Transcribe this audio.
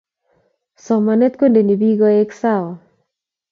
Somanet kundeni piik koek sawa